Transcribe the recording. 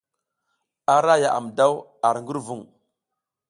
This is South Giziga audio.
Ara yaʼam daw ar ngurvung.